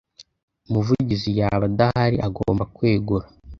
Umuvugizi yaba adahari agomba kwegura